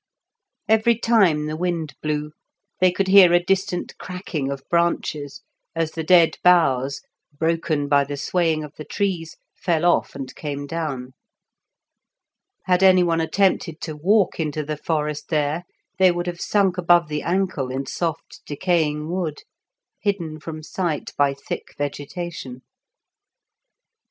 Every time the wind blew they could hear a distant cracking of branches as the dead boughs, broken by the swaying of the trees, fell off and came down. Had any one attempted to walk into the forest there they would have sunk above the ankle in soft decaying wood, hidden from sight by thick vegetation.